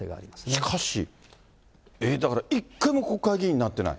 しかし、だから一回も国会議員になってない。